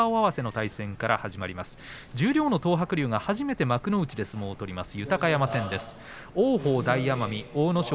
十両の東白龍が初めて幕内で相撲を取ります。